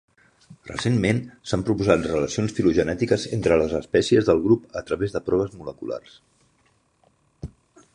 Recentment, s'han proposat relacions filogenètiques entre les espècies del grup a través de proves moleculars.